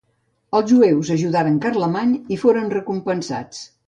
Els jueus ajudaren Carlemany i foren recompensats.